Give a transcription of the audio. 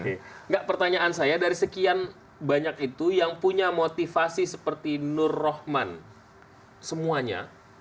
enggak pertanyaan saya dari sekian banyak itu yang punya motivasi seperti nur rohman semuanya